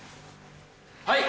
はい！